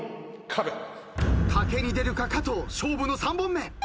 賭けに出るか加藤勝負の３本目。